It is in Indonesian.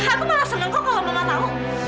aku malah senang kok kalau mama tahu